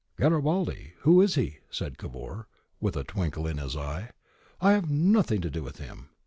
' Garibaldi ! Who is he ?' said Cavour, with a twinkle in his eye. ' I have nothing to do with him.